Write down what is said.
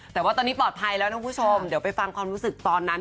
แต่ว่าตอนนี้ปลอดภัยแล้วนะคุณผู้ชมเดี๋ยวไปฟังความรู้สึกตอนนั้น